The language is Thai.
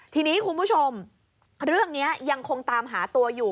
ทีนี้คุณผู้ชมเรื่องนี้ยังคงตามหาตัวอยู่